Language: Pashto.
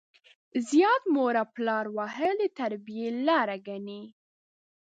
زيات مور او پلار وهل د تربيې لار ګڼي.